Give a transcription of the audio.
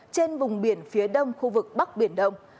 trên vùng biển phía đông khu vực bắc biển đông